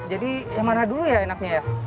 jadi yang mana dulu ya enaknya ya